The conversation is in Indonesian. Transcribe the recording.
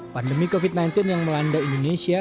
pandemi covid sembilan belas yang melanda indonesia